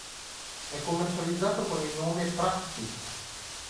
È commercializzato con il nome: "Prac-Tic".